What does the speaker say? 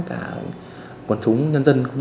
cả quần chúng nhân dân